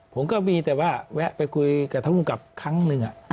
ผมก็มีแต่ว่าแวะไปคุยกับท่านภูมิกับครั้งหนึ่ง